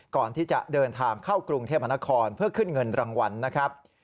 ก่อนที่จะเดินทางเข้ากรุงเทพมนครเพื่อขึ้นเงินรางวัลนะครับ